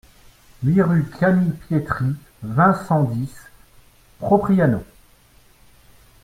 huit rue Camille Pietri, vingt, cent dix, Propriano